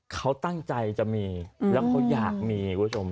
เขาตั้งใจจะมีแล้วเขาอยากมีคุณผู้ชม